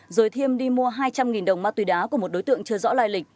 rồi thiêm đi mua hai trăm linh đồng ma túy đá của một đối tượng chưa rõ lai lịch